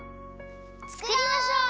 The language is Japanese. つくりましょう！